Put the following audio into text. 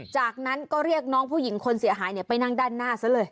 จากนั้นก็เรียกน้องผู้หญิงคนเสียหายไปนั่งด้านหน้าซะเลย